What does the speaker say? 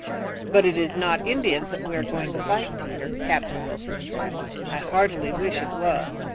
"But it is not Indians that we are going to fight Peter," Captain Wilson said. "I heartily wish it was."